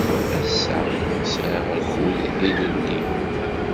Ass-a, sɛiɣ akud ilelli.